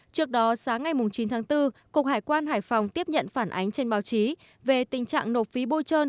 trước đó sáng ngày chín tháng bốn cục hải quan hải phòng tiếp nhận phản ánh trên báo chí về tình trạng nộp phí bôi trơn